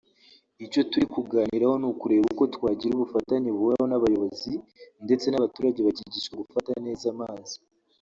Icyo turi kuganiraho ni ukureba uko twagira ubufatanye buhoraho n’abayobozi ndetse n’abaturage bakigishwa gufata neza amazi”